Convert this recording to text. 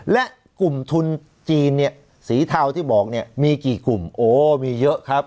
และกลุ่มทุนจีนเนี่ยสีเทาที่บอกเนี่ยมีกี่กลุ่มโอ้มีเยอะครับ